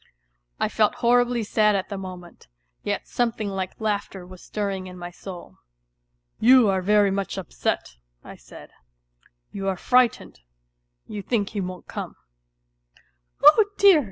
I felt horribly sad at that moment, yet something like laughter was stirring in my soul. "You are very much upset," I said; "you are frightened; you think he won't come." " Oh dear !